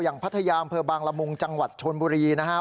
อย่างพัทยามเพือบางละมุงจังหวัดชนบุรีนะครับ